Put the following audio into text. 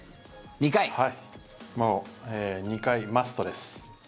２回、マストです。